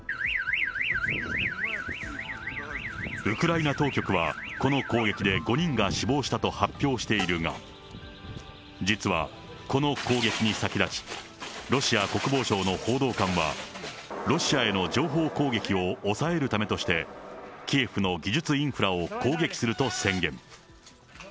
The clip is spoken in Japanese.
ウクライナ当局は、この攻撃で５人が死亡したと発表しているが、実はこの攻撃に先立ち、ロシア国防省の報道官は、ロシアへの情報攻撃を抑えるためとして、キエフの技術インフラを攻撃すると宣言。